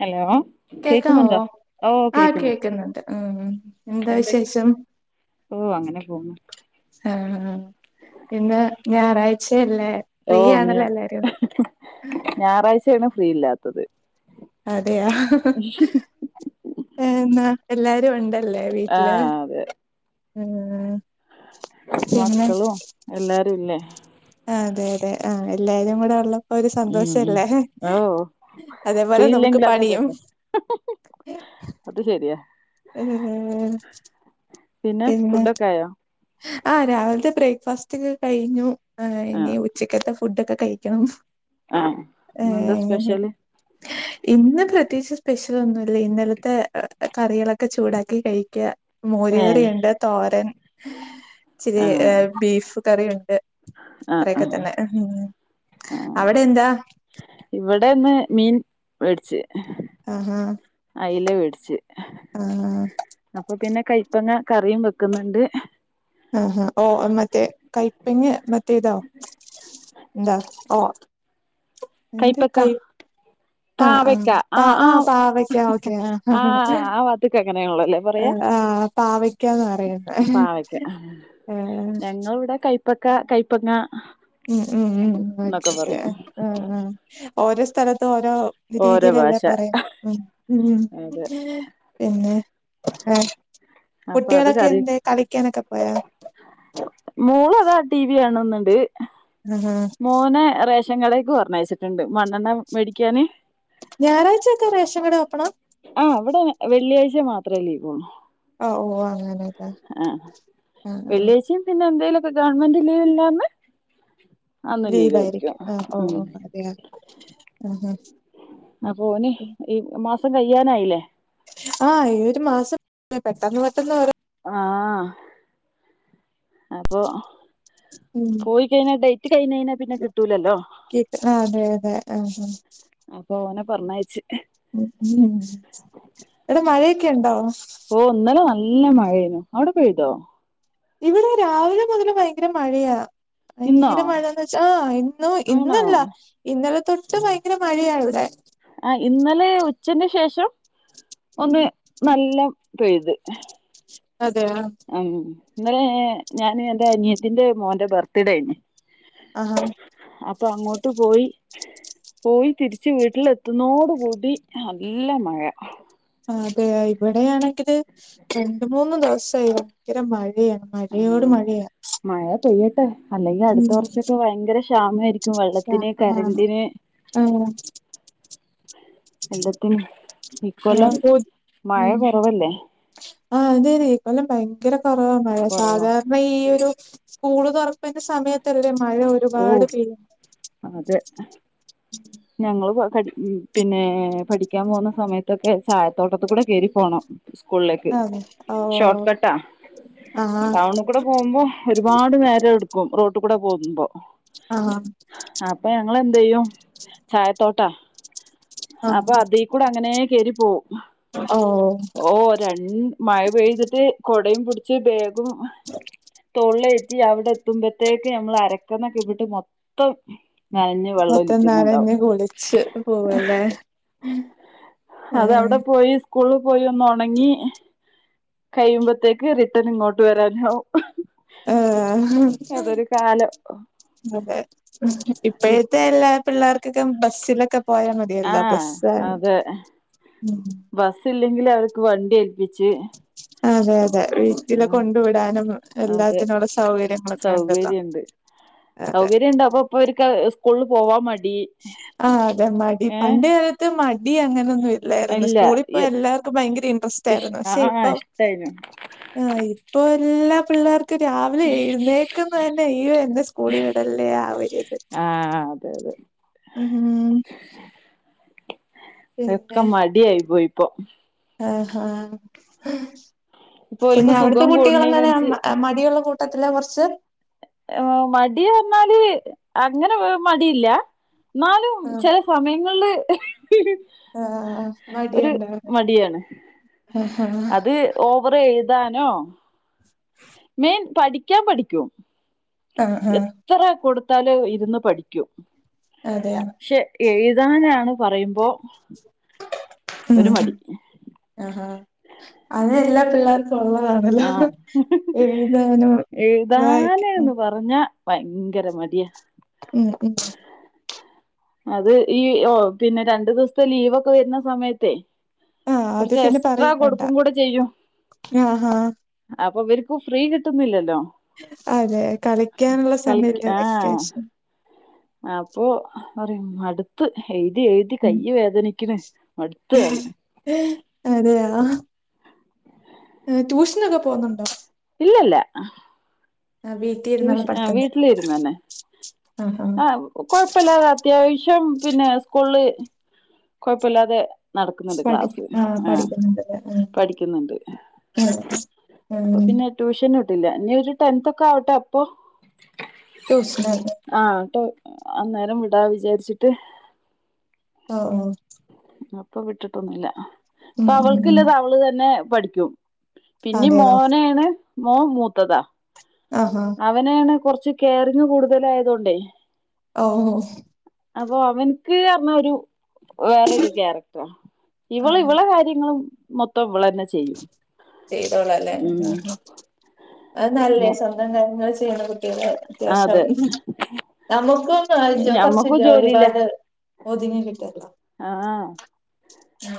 Hello കേക്കുന്നുണ്ടോ കേക്കാവോ ഓ ആ കേക്കുന്നുണ്ട് കേക്ക്ന്നുണ്ട് ഉം എന്താ വിശേഷം ഓഹ് അങ്ങനെ പോ ആഹ് ഇന്ന് ഞായറാഴ്ചയല്ലേ ഫ്രീ ഓഹ്‌ന്ന് ആണല്ലോ എല്ലാരും ഞായറാഴ്ചേണ് ഫ്രീ ഇല്ലാത്തത് അതെയാ ഏ എന്നാ എല്ലാരും ഉണ്ടല്ലേ വീട്ടില് ആഹ് അതെ ഉം പിന്നെ മക്കളും എല്ലാരും ഇല്ലേ ആഹ് അതെ അതെ ആഹ് എല്ലാരും കൂടെ ഒള്ളപ്പ് പ്പോ ഒരു ഉം ഉം സന്തോഷല്ലേ ഓ ഫ്രീ അതേപോലെ നമുക്ക് ഇല്ലെങ്കിൽ അതൊരു പണിയും രസം അത് ശരിയാ [unintelligible] പിന്നെ ഫുഡൊക്കെ ആയോ ആഹ് രാവിൽത്തെ ബ്രേക്ക്ഫാസ്റ്റ് ഒക്കെ കഴിഞ്ഞു ഏ് യ് ആഹ് ഇനി ഉച്ചക്കത്തെ ഫുഡ്‌ ഫുഡൊക്കെ കഴിക്കണം ആഹ് എഹ് ഇന്നെന്താ അങ്ങനെ [inaudible] ഇന്ന് പ്രത്യേകിച്ച് സ്പെഷ്യൽ ഒന്നുല്ല ഇന്നലത്തെ കറികളൊക്കെ ചൂടാക്കി കഴിക്കാ മോര് ഏഹ് കറിയുണ്ട് തോരൻ ഇച്ചിരി ആഹ് ബീഫ് കറിയുണ്ട് ആഹ് ഇത്രയെക്കെ ആഹ് തന്നെ അവിടെ എന്താ ഇവിടെ ഇന്ന് മീൻ വേട്ച്ച് ആഹ്ഹാ അയ്ല വേട്ച്ച് ആഹ് ആഹ് അപ്പൊ പിന്നെ കയ്പ്പങ്ങ കറിയും വെക്കുന്നുണ്ട് ആഹ്ഹാ ഓഹ് മറ്റേ കൈപ്പെങ മറ്റേതോ എന്താ ഓഹ് എന്ത് കൈപ്പക്ക കയ്പ് ആഹ് ആഹ് പാവക്ക ആ പാ ആ ആഹ് പാവയ്ക്ക ഓക്കെ ആഹ് ഇത് ക്കെഎങ്ങനെഒള്ളെല്ലെ പറയാ പാവയ്ക്കാന്ന് പറയുന്നെ [inaudible] പാവയ്ക്ക ഏ ഞങ്ങളിവിടെ കയ്പ് പക്ക കയ്പങ്ങ ഉം ഉം ഉം [unintelligible] അഹ് അഹ് ഓരോ സ്ഥലത്തും ഓരോ ഓരോ രീതിയിലല്ലേ ഭാഷ പറയാ ഉം ഉം അതെ പിന്നെ ആഹ് അപ്പൊ കുട്ട്യാളൊക്കെ എന്ത്യേ കളിക്കാനൊക്കെ പോയാ? മോളതാ ടി വി കാണുന്നിണ്ട് ആഹാ മോനെ റേഷ് റഷൻ കടേക്ക് പർഞ്ഞയ്ച്ചിട്ടിണ്ട്. മണണ്ണ മേടിക്കാന് ഞായറാഴ്ച ഒക്കെ റേഷൻ കട ഓപ്പണാ? ആഹ് ഇവടെ വെള്ളിയാഴ്ച മാത്രേ ലീവൊള്ളൂ. ആഹ് ഓഹ് അങ്ങനെ. ആഹ് വെള്ള്യായ്ച്ചിം പിന്നെ എന്തേലും ഒക്കെ ഗവൺമെന്റ് ലീവില്ലന്ന് ലീവ് ആയിര്ക്കും. ആഹ് ഓഹ് ഓഹ് അതെയ ഉം ഉം അപ്പൊ ഓന് ഈ മാസം കയ്യാനായ്ലേ ആഹ് ഈ ഒരു മാസം പെട്ടെന്ന് പെട്ടെന്ന് ഓരോ ആഹ് അപൊ ഉം പോയി കൈഞ്ഞാ ഡെയ്റ്റ് കൈനൈന പിന്നെ കിട്ടൂലല്ലോ. കി ആഹ് അതെ അതെ ആഹ് ആഹ് അപ്പൊ ഓനെ പർഞ്ഞയച്ച്. ഉം ഉം എടാ മയൊക്കെണ്ടോ? ഓഹ് ഇന്നലെ നല്ല മഴേനു അവ്ടെ പെയ്തോ? ഇവിടെ രാവിലെ മുതല് ഭയ്ങ്ക്ര മഴയാ. ഇന്നോ ഭയ്ങ്കാര മഴാന്ന് വെച്ചാ ആഹ് ഇന്നു ആണോ ഇന്നല്ല ഇന്നലെ തൊട്ട് ഭയ്ങ്ക്ര മഴയാ ഇവിടെ. ആഹ് ഇന്നലെ ഉച്ചന് ശേഷം ഒന്ന് നല്ല പെയ്ത്. അതെയാ അം ഇന്നലെ ഞാൻ എന്റെ അനിയത്തിന്റെ മോന്റെ ബർത്ത്ഡേ ആയിന് ആഹ് അപ്പൊ അങ്ങോട്ട് പോയി പോയി തിരിച്ച് വീട്ടിലെത്തുന്നോട് കൂടി നല്ല മഴ ആഹ് അതെ ഇവിടെയാണെങ്കില് രണ്ട് മൂന്ന് ദിവസായി ഭയ്ങ്കര മഴെയാ ആ മഴെയോട് മഴെയാ മഴ പെയ്യട്ടെ അല്ലെങ്കിൽ അടുത്ത വർഷൊക്കെ ഭയ്ങ്കര ക്ഷാമേര് ക്ഷാ ആഹ് ആഹ് എല്ലത്തിനും ഇക്കൊല്ലം ആഹ് കൊതു മഴ ഉം കൊറവല്ലേ ആഹ് അതെയതെ ഇക്കൊല്ലം ഭയ്ങ്കര കൊറവാ മഴ കുറവാ സാധാ ഈയൊരു സ്കൂള് തൊറപ്പിന്റെ സമയത്തല്ലേ മഴ ഓ ഒരുപാട് പെയ് അതെ ഞങ്ങള് [unintelligible] പിന്നേ പഠിക്കാൻ പോന്ന സമയത്തൊക്കെ ചായത്തോട്ടത്തിക്കൂടെ കേറി പോണം സ്കൂൾലേക്ക് അതെ ഓ ഷോർട്ട് കട്ടാ ആഹ് ടൗണ് ക്കുടെ പോവുമ്പോ ഒരുപാട് നേരെട്ക്കും റോട്ട് കൂടെ പോകുമ്പോ ആഹ് അപ്പൊ ഞങ്ങെളെന്തെയ്യും ചായത്തോട്ടാ അപ്പ ആഹ് അതീക്കൂടെങ്ങനേ കേറി പോം ഓ ഓഹ് രൺ മഴ പെയ്തിട്ട് കൊടെറ പുടിച്ച് ബേഗും തോൾലേറ്റി അവിടെ ത്തുമ്പത്തേക്ക് നമ്മൾ അരക്കന്ന്ക്കീപ്പട്ട് മൊത്തം നനഞ്ഞ് വെള്ളം മൊത്തം നനഞ്ഞ് ഒലിക്കുന്നുണ്ടാവും കുളിച്ച് പോവല്ലേ ആഹ് അതവ്ടെ പോയി സ്കൂള്ള് പോയി ഒന്ന് ഒണങ്ങി കയ്യുമ്പത്തേക്ക് റിട്ടേണിങ്ങോട്ട് വരാനാവും ഏഹ് അതൊരു കാലം അതെ ഇപ്പെ ഇപെല്ലാ പിള്ളേർക്കൊക്കെ ബസ്സിലൊക്കെ പോയാൽ ആ മതിയല്ലോ ബസ്സ് ഉം ബസ്സില്ലെങ്കിൽ അവർക്ക് വണ്ടി ഏല്പ്പിച്ച് അതെയതെ വി റ്റിളെ കൊണ്ടു വിടാനും അതെ എല്ലാത്തിനുള്ള സൗകര്യങ്ങളൊക്കെയൊണ്ടല്ലോ സൗകര്യണ്ട് അതെ ഇപ്പവര്ക്ക് സ്കൂള്ള് പോവാൻ മടി ആഹ് അതെ മടി ഏ പണ്ട് കാലത്ത് മടി അങ്ങനൊന്നും ഇ ഇല്ലായ്രുന്നു സ്കൂള് ഇല്ല പ്പോയല്ലാർക്കും ഭയങ്കര ഇഷ് ഇൻട്രസ്റ്റായിരുന്നു. പക്ഷെ ആഹ് ഇപ്പം ഇഷ്ടായിനു ആ ഇപ്പൊ എല്ലാ പിള്ളേർക്കും ക്ക് രാവിലെ എഴുന്നേക്ക്ന്ന് തന്നെ അയ്യോ എന്നെ സ്കൂളിവിടല്ലേ ആ ഒരിത്. ആഹ് അതെ ഉം ഒക്കെ പിന്നെ മടി ആയി പോയിപ്പോ. ആഹ് ഹാ ഇപ്പൊ പിന്നെ ഓൽക്ക് സുഖം അവിടുത്തെ കുട്ടികളെങ്ങനെ കൂടുന്നതിനനുസ മടിയുള്ള കു പത്തില കൊറച്ച്. ഉം മടി യന്നാല് അങ്ങനെ മടില്ല. എന്നാലും ആഹ് ചെല സമയങ്ങൾല്. ആഹ് മടിയുണ്ടോ ഹ ഹാ ഓവറെഴുതാനോ [inaudible] മെയ്ൻ പഠിക്കാൻ പഠിക്കും. ആഹ് ആഹ് ത്ര കൊടുത്താല് ഇരുന്ന് പഠിക്കും അതെയാ ക്ഷെ എഴുതാനാണ് പറയുമ്പോ. ഉം ഒരു മടി ആഹ അതെല്ലാ പിള്ളേർ ള്ളതാണല്ലോ ആഹ് എഴുതാനും എഴുതാന് വായിക്കാനും. ന്ന് പറഞ്ഞാ ഭയങ്കര മടിയാ. ഉം ഉം. അത് ഈ ഓ പിന്നെ രണ്ടു ദിവസത്തെ ലീവൊക്കെ വരുന്ന സമയത്തെ ആഹ് അത് കൊറച്ച് പിന്നെ എക്സ്ട്രാ പറയും വേണ്ട കൊടുക്കും കൂടെ ചെയ്യും. ആഹാ അപ്പൊ ഇവർക്ക് ഫ്രീ കിട്ടുന്നില്ലല്ലോ. അതെ കളിക്കാനുള്ള കളിക്ക സമയല്ലേ ആ വെക്കേഷൻ. അപ്പൊ പറി മടുത്ത് എഴ്തി എഴ് ക്ക് ഉം കയ്യ് വേദനിക്ക്ണ് മടുത്ത് ആറി. ങേ അതെയാ. എ ട്യൂഷനൊക്കെ പോകുന്നുണ്ടോ? ഇല്ലല്ല. അവി ട്യൂഷ വീട്ടില് ഇരുന്നന്നെ ആഹ് ആഹ് ആ. കൊഴപ്പില്ലാതെ അത്യാവശ്യം പിന്നെ സ്കൂൾല് കൊഴപ്പില്ലാതെ. പഠിപ്പി ആഹ പഠിക്കുന്നുണ്ട്ല്ലെ പഠിക്കുന്നുണ്ട് ആ ആ. ഉം. ട്യൂഷന് വിട്ടില്ല ഇനി ഒരു ടെൻത് ഒക്കെ ആവട്ടെ അപ്പൊ ട്യൂഷന്. ആ ട്ടോ അന്നേരം വിടാ വിചാരിച്ചിട്ട്. ഓ ഓ അപ്പൊ വിട്ടിട്ടൊന്നുമില്ല ഉം ഇപ്പൊ ഉം ഉം അവൾക്കില്ലാത് അവള് തന്നെ പഠിക്കും. പിന്നെ അതെയോ മോനെണ് മോൻ മൂത്തതാ. ആഹ് ഹ അവെനേണ് കൊറച്ച് കെയറിങ്ങ് കൂടുതലായതൊണ്ടേ ഓഓ അപ്പൊ അവൻക്ക് പറഞ്ഞ ഒരു വേറരു കാരക്റ്ററാ ഇവള് ആഹാ ഇവളെ കാര്യങ്ങൾ മൊത്തം ഇവലാളെന്നെ ചെയ്തോളല്ലേ ഉം അത് നല്ലേ സ്വന്തം കാര്യങ്ങൾ ചെയ്യണത്. ങേ അത്യാവശ്യം. അതെ നമുക്ക് നാലഞ്ചുസം കൊറച്ച് ഞമ്മക്കും ജോലി ജോലിയില്ല ഭാരം ഒതുങ്ങി കിട്ടല്ലോ. ആഹ്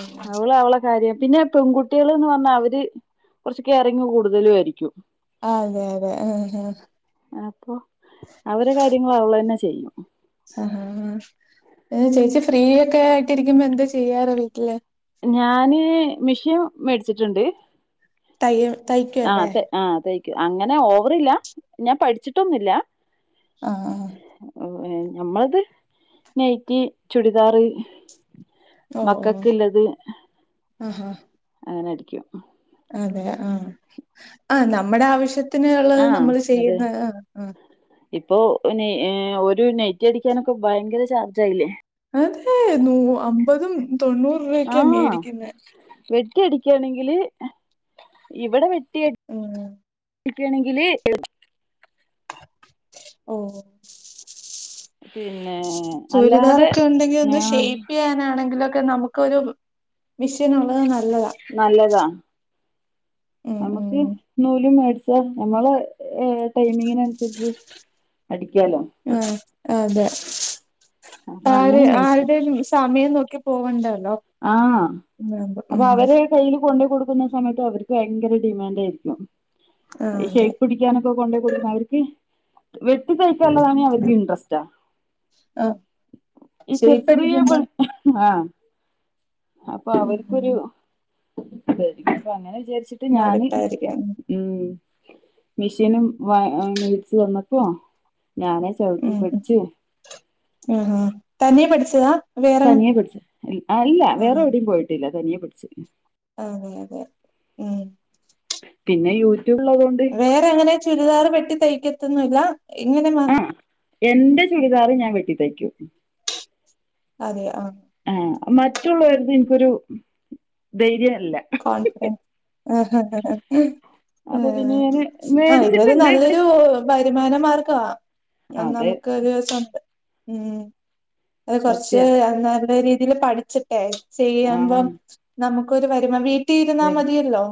ഉം. അവുള് അവള കാര്യം പിന്നെ പെൺകുട്ടീള് പറഞ്ഞാൽ അവര് കുറച്ച് കെയറിങ്ങ് കൂടുതലും ആയിരിക്കും. ആഹ് അതെ അതെ അഹ് അഹ് അപ്പൊ അവരെ കാര്യങ്ങള് അവളെന്നേ ചെയ്യും. ആഹ് ചേച്ചി ഫ്രീ ഒക്കെ ആയിട്ടിരിക്കുമ്പോ എന്താ ചെയ്യാറ് വീട്ടില്? ഞാന് മിഷ്യൻ മേടിച്ചിട്ടുണ്ട്. തയ്യ ആഹ് തയ്ക്കുവല്ലേ തൈ ആഹ് തൈക്കും അങ്ങനെ ഓവറില്ല ഞാൻ പഠിച്ചിട്ടൊന്നുമില്ല. ആഹ് ഉം എഹ് ഞമ്മളത് നെയ്റ്റി ചുരിദാറ്. ഓഹ് ഓഹ് ആഹ് ആഹ് അങ്ങനെ ആടിക്കും ഉം അതെ ആഹ് ആ നമ്മടെ ആവശ്യത്തിന്ള്ളത് ആ നമ്മൾ അതെ ചെയ്യുന്ന് ആഹ് ആഹ് ഇപ്പൊ നെ ഒരു നെറ്റി അടിക്കാനൊക്കെ ഭയങ്കര ചാർജ് ആയില്ലേ? അതെ നൂ അമ്പതും തൊണ്ണൂറ് രൂപയക്കെയാ മേടിക്കുന്ന വെ വെട്ടിയടിക്കയാണെങ്കിൽ ഇവിടെ വെട്ടി ഉം [unintelligible] യാണെങ്കില് ഏഹ് ഓഹ് പിന്നെ അല്ലാതെ ചുരിദാറൊക്കെ ഉണ്ടെങ്കിൽ ഒന്ന് ആ ഷേയ്പ്പ് ചെയ്യാനാണെങ്കിലൊക്കെ നമക്ക് ക്കൊരു മിഷേനുള്ളത് നല്ലതാ നല്ലതാ ഉം നമുക്ക് ഉം നൂലും മേടിച്ചാ ഞമ്മള ഏഹ് ടൈമിങ്നനുസരിച്ച് അടിക്കാലോ ആഹ് അതെ അപ്പൊ ആര് അങ്ങനെ മേടിച്ചു ആരുടെ സമയം നോക്കി പോവണ്ടല്ലോ ആഹ് ഉം അത് ഉം. അവര് കൈ കൊണ്ടോയ് കൊടുക്കുന്ന സമയത്ത് അവർക്ക് ഭയങ്കര ഡിമാന്റായിരിക്കും ആ അഹ് അതെ ശയ്‌പ്പടി ക്കാനൊക്കെ കൊണ്ടോയ് കൊടുക്കുന്ന അവർക്ക് വെട്ടി തൈക്കാനുള്ളതാണേ അവർക്ക് ഇൻട്രസ്റ്റാ ആ ഈ ചെർ ചെറിയ ഷേപ്പടിക്കുമ്പോ ബൾ ആഹ് അപ്പൊ ഉം അവർക്കൊരു ബുദ്ധിമുട്ടായിരിക്കും അപ്പ അങ്ങനെ വിചാരിച്ചിട്ട് ഞാന് മടുപ്പായിരിക്കും ഉം മെഷീന് മേടിച് തന്നപ്പോ ഞാനേ ചൗട്ടി പഠിച്ച് ആഹ് ആഹ് തനിയെ പഠിച്ചതാ വേറെ തനിയെ പടിച്ചു ഇ അ ഇല്ല ആ വേറെവിടിം പോയിട്ടില്ല തനിയെ പടിച്ചു അതെ അതെ ഉം പിന്നെ യൂട്യൂബ് ഉള്ള തൊണ്ട് വേറെ അങ്ങനെ ചുരിദാർ വെട്ടി തൈക്കതോന്നുല്ല ഇങ്ങനെ മ ആഹ് എന്റെ ചുരിദാർ ഞാൻ വെട്ടി തൈക്കും അതെ ആഹ് ആഹ് മറ്റുള്ളവര്ത് ഇൻക്കൊരു ധൈര്യം ഇല്ല കോൺഫിഡ ആഹ് അപ്പൊ പിന്നെ ഞാന് ആഹ് ഇതൊരു മേടിച്ചിട്ടുണ്ട് ഇവിടെ നല്ലൊരു വരുമാന മാർഗ്ഗവ അതെ നമുക്കോരു സ്വന്ത. ഉം അഹ് കോർച്ച് സത്യാ നല്ല രീതിൽ പഠിച്ചിട്ടെ ചെയ്യുമ്പം ആഹ് നമു ക്കൊരു വരുമ വീട്ടി ഇര്ന്നാ അതെ മതിയല്ലോ?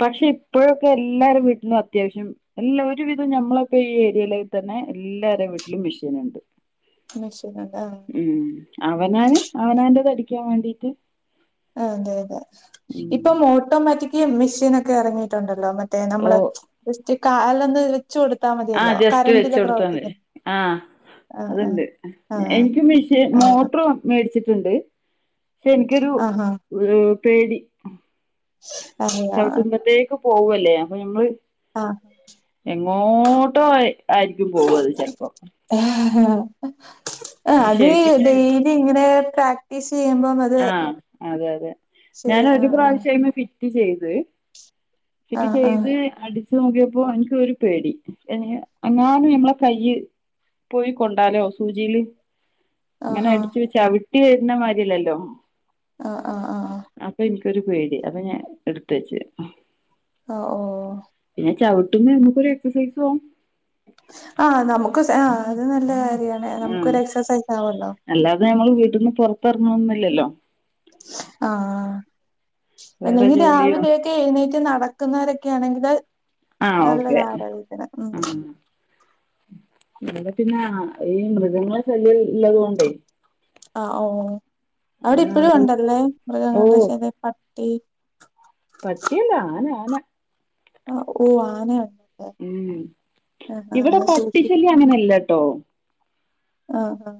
പക്ഷെ ഇപ്പോഴൊക്കെ എല്ലാരും വീട്ടിലും അത്യാവശ്യം എല്ലാ ഒരു വിധം ഞമ്മളക്കേ ഈ ഏരിയലയി തന്നെ എല്ലാര്ടെ വീട്ടിലും മെഷീൻ ഇണ്ട് മെഷേന്ണ്ടാ? ഉം അവനാന് അവനാന്റത് അടിക്കാൻ വേണ്ടീട്ട്.. അതെ അതെ. ഉം ഇപ്പം ഓട്ടോമാറ്റിക്ക് മെഷീനോക്കെ ഇറങ്ങിയിട്ടുണ്ടല്ലോ മറ്റേ, റ്റേ ഓ നമ്മള് ജസ്റ്റ് കാലൊന്ന് വെ ആഹ് ജസ്റ്റ് വെച്ചോട്ക്കുന്നത്, ആഹ്. ആഹ് അതുണ്ട്. ആഹ് എനിക്ക് മെഷീൻ ആഹ് മോട്രോ മേട്ച്ചിട്ടുണ്ട്, പക്ഷെ എനിക്കൊരു ആഹ് ആഹ് പേടി. അറിയാം ചവിട്ടുമ്പത്തേക്ക് പോവല്ലേ അപ്പൊ ഞമ്മള്, ആഹ് എങ്ങോട്ടോ അയ് ആയിരിക്കും പോവത് ആഹ് ചെൽപ്പോ. ആ ഹാ അത് ഡെയ്ലി ഇവിടെ പ്രാക്ടീസ് ചെയ്യുമ്പോ അത് ആഹ് അതെ അതെ. ശരി ഞാൻ ആ ഒരു പ്രാവശ്യം അയ്മേ ഫിറ്റ് ചെയ്ത്. ആ ഫിറ്റ് ആ ആ ചെയ്ത് അടിച് നോക്കിയപ്പോ എനിക്ക് ഒരു പേടി, എങ്ങാനും ഞമ്മളെ കൈയ്യ് പോയി കൊണ്ടാലോ സൂചിയില്. ങ്ങനെ ആഹാ അടിച്ച് ച്ചവിട്ടി വരുന്ന മാതിരി അല്ലല്ലോ? ആഹ് ആ ആ ആ. അപ്പ ഇൻക്കൊരു പേടി അപ്പൊ ഞാൻ ഇട്ത്ത് വെച്ച്. ആ ഓ. പിന്നെ ചവിട്ടുമ്പേ ഞമ്മക്ക് ഒരു എക്സസൈസും ആവും. ആഹ് നമുക്ക് സ ആ അത് നല്ല കാര്യാണ് ആഹ് നമുക്കോരു എക്സസൈസ് ആവോല്ലോ? അല്ലാതെ ഞമ്മള് വീട്ട്ന്ന് പൊർത്തർങ്ങണോന്നുല്ലല്ലോ. ആഹ് വേറെ അല്ലെങ്കി ജോലിയോ രാവിലെ ക്കെ എണീറ്റ് നടക്കുന്നവരൊക്കെയാണെങ്കില്, ആ ഓക്കെ. ഉം. ഇവിടെ പിന്നെ ഈ മൃഗങ്ങളെ ശല്യം ഉള്ളത് കൊണ്ടേ, ആ ഓ ഓ അവിടെ അങ്ങനെ ഇപ്പഴും ആരും ഉണ്ടല്ലേ ഓ മൃഗങ്ങളുടെ ശല്യം പട്ടി, പട്ടിയല്ല ആന, ആന. ആ ഓ ആന [unintelligible] ഉം ഇവിടെ പട്ടി ശല്യ അങ്ങനെ ഇല്ലട്ടോ. ആഹ് ആ.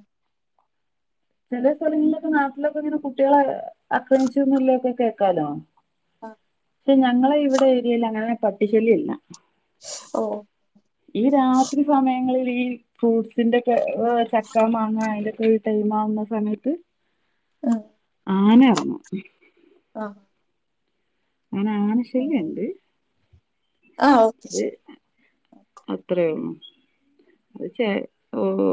ചില സ്ഥലങ്ങളിലൊക്കെ നാട്ടിലൊക്കെ ഇങ്ങനെ കുട്ടികളെ, ആക്രമിച്ചുന്നല്ല ഒക്കെ കേക്കാലോ. ആ പക്ഷെ ഞങ്ങളെ ഇവിടെ ഏരിയല് അങ്ങനെ പട്ടി ശല്യ ഇല്ല. ഓ. ഈ രാത്രി സമയങ്ങളിൽ ഈ ഫ്രൂട്ട്സിന്റെ ഒക്കെ ചക്ക മാങ്ങ അതിന്റെക്കെ, [unintelligible] മാവുന്ന സമയത്ത് ആ. ആന ഇറങ്ങും. ആഹ്. അങ്ങനെ ആന ശല്യുണ്ട്. ആ ഓക്കെ ശരി അത് അത്രേയൊള്ളൂ. അത് ചെ ഓ